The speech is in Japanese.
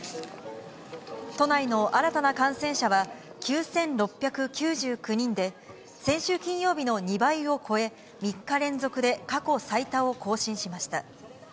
都内の新たな感染者は９６９９人で、先週金曜日の２倍を超え、３日連続で過去最多を更新しました。